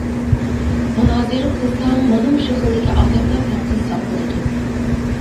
مۇنازىرە قىلساڭ مانا مۇشۇ خىلدىكى ئادەملەر بىلەن قىلساڭ بولىدۇ.